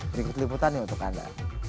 berikut liputannya untuk anda